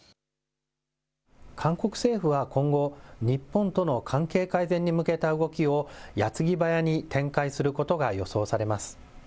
韓国政府は今後、日本との関係改善に向けた動きをやつぎばやに展開することが予想されます。